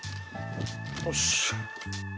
よし。